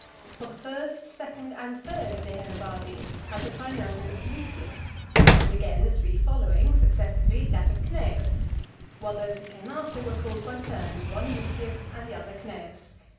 For the first, second, and third of the Aenobarbi had the praenomen of Lucius, and again the three following, successively, that of Cneius, while those who came after were called, by turns, one, Lucius, and the other, Cneius.